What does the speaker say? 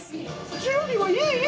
準備はいい？